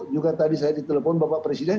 juga tadi saya ditelepon bapak presiden